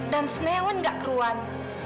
dan snewen gak keruan